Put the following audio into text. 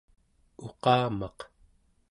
uqamaq